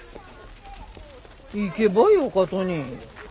行けばよかとに。